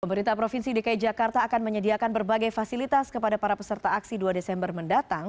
pemerintah provinsi dki jakarta akan menyediakan berbagai fasilitas kepada para peserta aksi dua desember mendatang